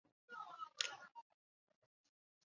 郭泉在香港曾任保良局及东华医院总理。